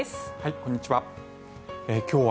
こんにちは。